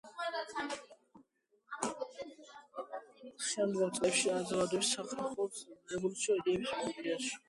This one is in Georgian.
შემდგომ წლებში ნაძალადევის სახალხო თეატრი რევოლუციური იდეების პროპაგანდის კერად გადაიქცა.